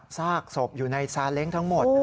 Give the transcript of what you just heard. ซากศพอยู่ในซาเล้งทั้งหมด